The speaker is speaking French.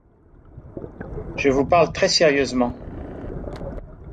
Je vous parle très sérieusement.